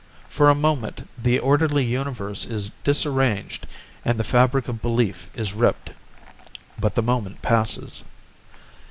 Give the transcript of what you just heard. For a moment the orderly Universe is disarranged and the fabric of belief is ripped. But the moment passes.